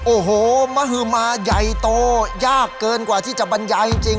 โอ้โหมะหื้อม่ายัยโตยากเกินกว่าที่จะบรรยายจริงจริง